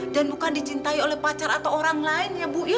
dan bukan dicintai oleh pacar atau orang lain ya bu ya